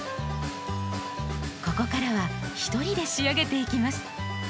ここからは一人で仕上げていきます。